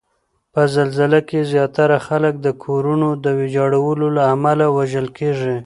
په زلزله کې زیاتره خلک د کورونو د ویجاړولو له امله وژل کیږي